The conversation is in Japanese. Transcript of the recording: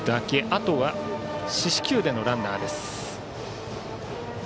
あとは四死球でのランナーです。